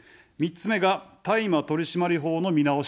３つ目が大麻取締法の見直し。